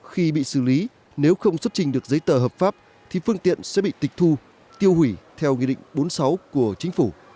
khi bị xử lý nếu không xuất trình được giấy tờ hợp pháp thì phương tiện sẽ bị tịch thu tiêu hủy theo nghị định bốn mươi sáu của chính phủ